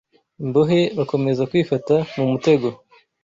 Imbohe bakomeza kwifata mumutego